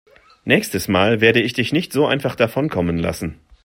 Nächstes Mal werde ich dich nicht so einfach davonkommen lassen.